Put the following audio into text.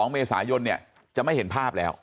๒๒เมษายนเนี่ยจะไม่เห็นภาพแล้ว